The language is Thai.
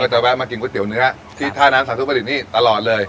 จะแวะมากินก๋วยเตี๋ยวเนื้อที่ท่าน้ำสาธุประดิษฐ์นี่ตลอดเลย